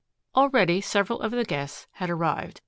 Already several of the guests had arrived.